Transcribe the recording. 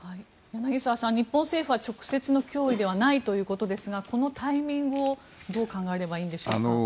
柳澤さん日本政府は直接の脅威ではないということですがこのタイミングをどう考えればいいんでしょうか。